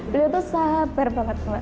beliau tuh sabar banget